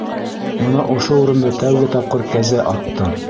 Бына ошо урында тәүге тапҡыр кәзә аттым.